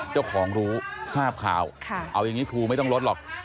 เจ้าของรู้ทราบข่าวเอาอย่างนี้ครูไม่ต้องลดหรอก